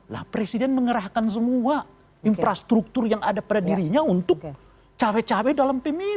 lah presiden mengerahkan semua infrastruktur yang ada pada dirinya untuk cewek cewek dalam pemiru